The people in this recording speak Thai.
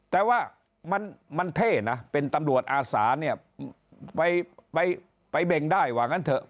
แต่ว่ามันเท่นะเป็นตำรวจอาสาเนี่ยไปเบ่งได้ว่างั้นเถอะ